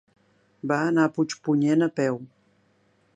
Va anar a Puigpunyent a peu.